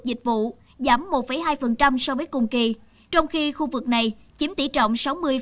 khu vực dịch vụ giảm một hai so với cùng kỳ trong khi khu vực này chiếm tỷ trọng sáu mươi sáu